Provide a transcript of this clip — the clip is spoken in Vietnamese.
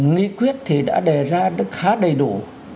nghị quyết thì đã đề ra khá đầy đủ